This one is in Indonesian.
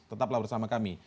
tetaplah bersama kami